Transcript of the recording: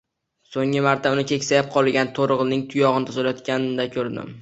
So`nggi marta uni keksayib qolgan to`rig`ining tuyog`ini tozalayotganida ko`rgandim